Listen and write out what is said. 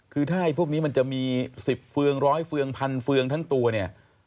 คือถ้าไอ้พวกนี้มันจะมี๑๐เฟืองร้อยเฟืองพันเฟืองทั้งตัวเนี่ย